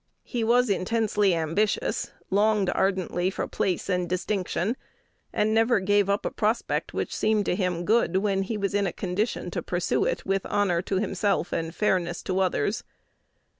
He was intensely ambitious, longed ardently for place and distinction, and never gave up a prospect which seemed to him good when he was in a condition to pursue it with honor to himself and fairness to others.